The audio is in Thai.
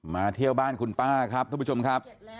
เที่ยวบ้านคุณป้าครับทุกผู้ชมครับ